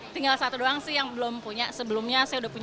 tinggal satu doang sih yang belum punya sebelumnya saya udah punya